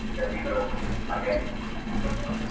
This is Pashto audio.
څېړنه د علمي فعالیتونو تر ټولو لویه برخه ده.